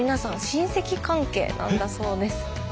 親戚関係なんだそうです。